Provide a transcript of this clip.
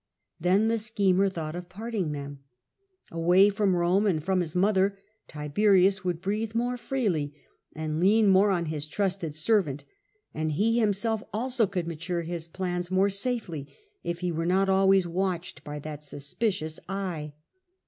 Then the schemer thought of parting them. Away from Rome and from his mother, Tiberius would and urged breathe more freely, and lean more on his ^^vTRome trusted servant, and he himself also could and Augusta, mature his plans more safely if he were not always watched by that suspicious eye.